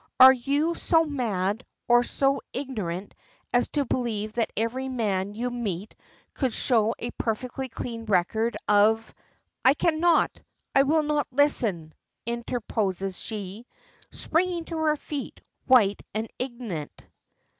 Are you so mad or so ignorant as to believe that every man you meet could show a perfectly clean record of " "I cannot I will not listen," interposes she, springing to her feet, white and indignant.